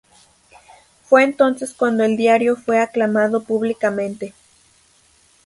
Fue entonces cuando el diario fue aclamado públicamente.